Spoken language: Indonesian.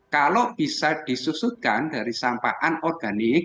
kalau bisa disusutkan dari sampahan organik